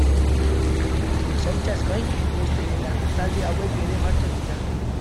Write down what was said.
Zaintzaz gain, beste lantalde hauek ere martxan dira.